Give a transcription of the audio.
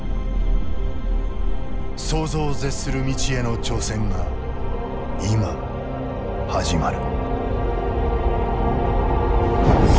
想像を絶する未知への挑戦が今始まる。